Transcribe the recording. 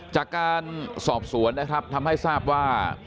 จากการสอบสวนนะครับทำให้ทราบว่า